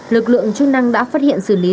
lực lượng chức năng đã phát hiện xử lý